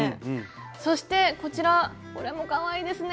そしてこちらこれもかわいいですね。